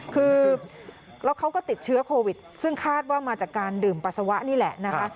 คือแล้วเขาก็ติดเชื้อโควิดซึ่งคาดว่ามาจากการดื่มปัสสาวะนี่แหละนะคะ